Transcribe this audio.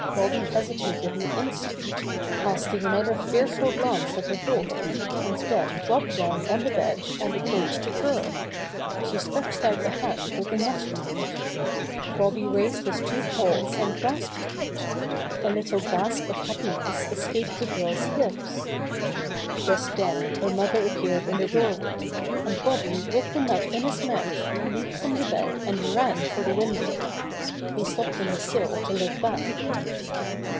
Bobby hesitated an instant, casting another fearful glance at the door, and then dropped down on the bed and approached the girl. She stretched out a hand with the nut in it. Bobby Bobby Makes Friends With the Girl 39 raised his two paws and grasped it. A little gasp of happiness escaped the girl's lips. Just then her mother appeared in the door way, and Bobby with the nut in his mouth leaped from the bed and ran for the window. He stopped on the sill to look back.